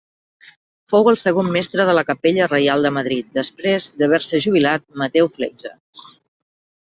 Fou el segon mestre de la capella Reial de Madrid, després d'haver-se jubilat Mateu Fletxa.